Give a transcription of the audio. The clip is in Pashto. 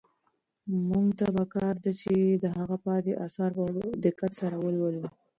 موږ ته په کار ده چې د هغه پاتې اثار په دقت سره ولولو.